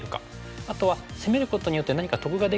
あとは攻めることによって何か得ができるのか。